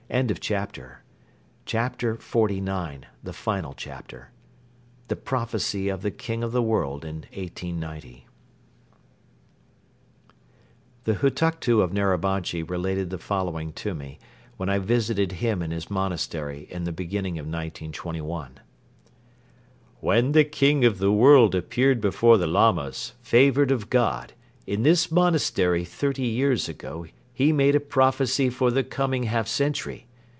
CHAPTER XLIX THE PROPHECY OF THE KING OF THE WORLD IN 1890 The Hutuktu of Narabanchi related the following to me, when I visited him in his monastery in the beginning of 1921: "When the King of the World appeared before the Lamas, favored of God, in this monastery thirty years ago he made a prophecy for the coming half century.